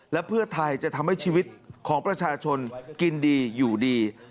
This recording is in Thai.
และเพื่อไทยจะทำให้ชีวิตของประชาชนกินดีอยู่ดี